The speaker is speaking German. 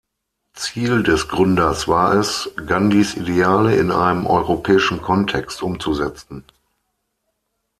Ziel des Gründers war es, Gandhis Ideale in einem europäischen Kontext umzusetzen.